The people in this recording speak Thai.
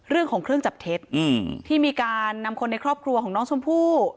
เรื่องของเครื่องจับเท็จที่มีการนำคนในครอบครัวของน้องชมพู่